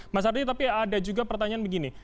mas ardi tapi ada juga pertanyaan begini